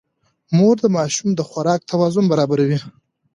مور د ماشوم د خوراک توازن برابروي.